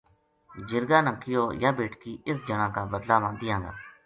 جِرگا نے کہیو یا بیٹکی اس جنا کا بدلہ ما دیاں گا